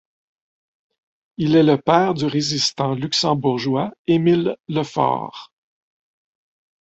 Il est le père du résistant luxembourgeois Émile Lefort.